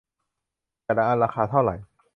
แต่ละอันราคาเท่าไหร่ ?